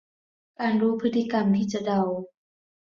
การรู้พฤติกรรมที่จะเดา